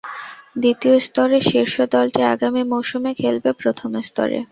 দ্বিতীয় স্তরের শীর্ষ দলটি আগামী মৌসুমে খেলবে প্রথম স্তরে।